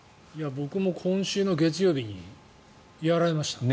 僕も今週月曜日にやられました。